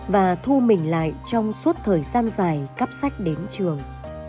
và thu mình lại trong suốt thời gian dài cắp sách đến trường